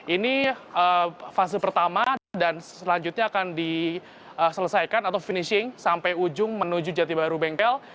ini fase pertama dan selanjutnya akan diselesaikan atau finishing sampai ujung menuju jati baru bengkel